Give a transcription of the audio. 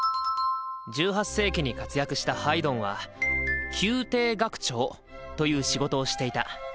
１８世紀に活躍したハイドンは「宮廷楽長」という仕事をしていた。